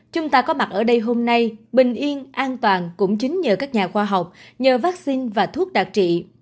chúng ta có mặt ở đây hôm nay bình yên an toàn cũng chính nhờ các nhà khoa học nhờ vaccine và thuốc đặc trị